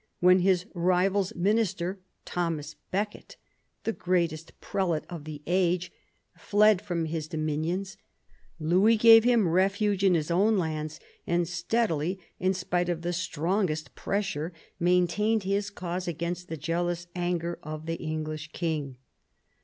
When his rival's minister, Thomas Becket, the greatest prelate of the age, fled from his dominions, Louis gave him refuge in his own lands, and steadily, in spite of the strongest pressure, maintained his cause against the jealous anger of the English king.